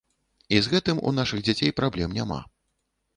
І з гэтым у нашых дзяцей праблем няма.